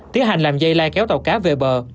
tiến hành làm dây lai kéo tàu cá về bờ